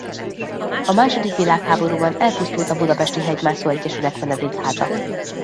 A második világháborúban elpusztult a Budapesti Hegymászó Egyesület menedékháza.